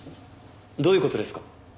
どういう事ですか？